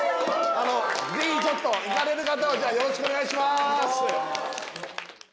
ぜひちょっと行かれる方はじゃあよろしくお願いします。